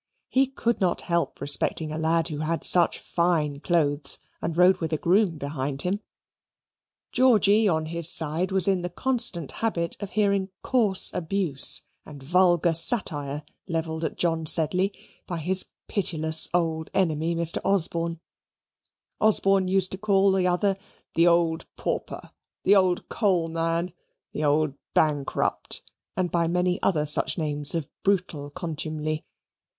He could not help respecting a lad who had such fine clothes and rode with a groom behind him. Georgy, on his side, was in the constant habit of hearing coarse abuse and vulgar satire levelled at John Sedley by his pitiless old enemy, Mr. Osborne. Osborne used to call the other the old pauper, the old coal man, the old bankrupt, and by many other such names of brutal contumely.